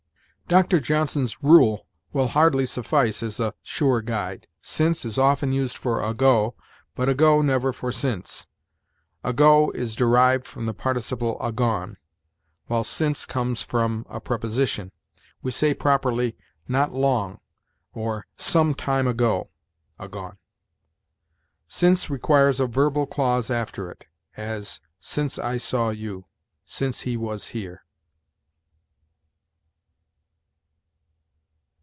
Dr. Johnson's rule will hardly suffice as a sure guide. Since is often used for ago, but ago never for since. Ago is derived from the participle agone, while since comes from a preposition. We say properly, "not long" or "some time ago [agone]." Since requires a verbal clause after it; as, "Since I saw you"; "Since he was here."